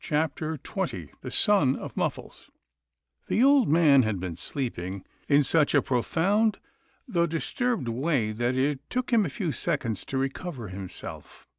CHAPTER XX THE SON OF MUFFLES The old man had been sleeping in such a pro found, though disturbed way, that it took him a few seconds to recover himself.